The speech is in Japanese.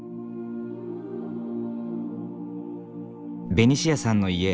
ベニシアさんの家